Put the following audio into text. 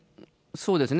そうですね。